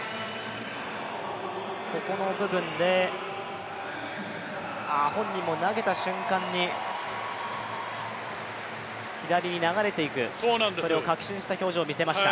ここの部分で、本人も投げた瞬間に左に流れていく、それを確信した表情を見せました。